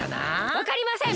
わかりません！